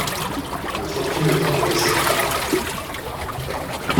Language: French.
Ma fortune est intéressée à...